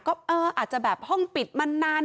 อาจจะแบบห้องปิดมันนาน